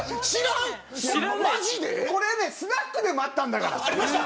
これ、スナックでもあったんだから。